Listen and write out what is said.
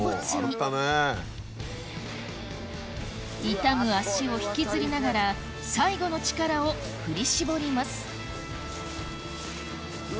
痛む足を引きずりながら最後の力を振り絞りますうわ